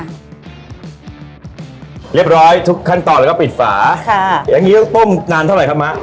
เรียบร้อยทุกขั้นตอนแล้วก็ปิดฝาค่ะอย่างงี้ต้องต้มนานเท่าไหร่ครับมะ